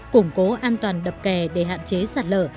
củng cố an toàn đập kè để hạn chế sạt lở